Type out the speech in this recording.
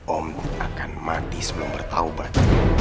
om akan mati sebelum bertaubat